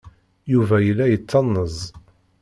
Yuba yella yettanez.